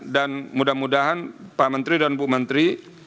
dan mudah mudahan pak menteri dan bu menteri